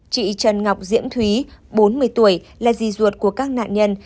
chị trần ngọc diễm thúy bốn mươi tuổi là di ruột của các nạn nhân